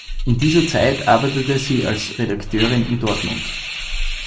In dieser Zeit arbeitete sie als Redakteurin in Dortmund.